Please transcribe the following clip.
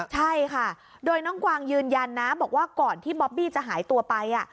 ใช่ค่ะโดยน้องกวางยืนยันนะบอกว่าก่อนที่บอบบี้จะหายตัวไป